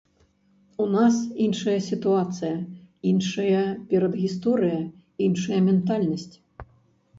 У нас іншая сітуацыя, іншая перадгісторыя, іншая ментальнасць.